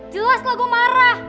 jelas lah gue marah